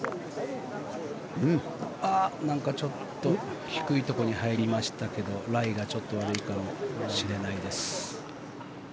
なんかちょっと低いところに入りましたけどライがちょっと悪いかもしれないです。